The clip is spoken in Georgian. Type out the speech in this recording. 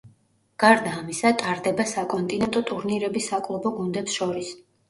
გარდა ამისა ტარდება საკონტინენტო ტურნირები საკლუბო გუნდებს შორის.